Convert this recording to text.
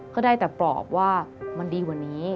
ก็ได้แต่ปลอบว่ามันดีกว่านี้